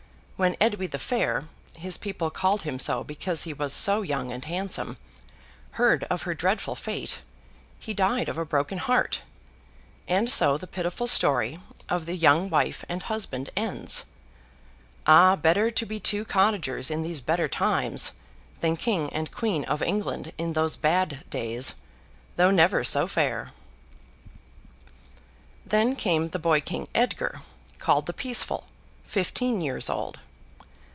When Edwy the Fair (his people called him so, because he was so young and handsome) heard of her dreadful fate, he died of a broken heart; and so the pitiful story of the poor young wife and husband ends! Ah! Better to be two cottagers in these better times, than king and queen of England in those bad days, though never so fair! Then came the boy king, Edgar, called the Peaceful, fifteen years old.